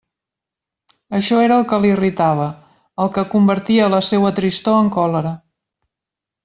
Això era el que l'irritava, el que convertia la seua tristor en còlera.